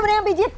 bisa yang bijet